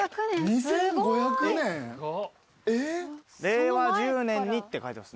令和十年にって書いてますね。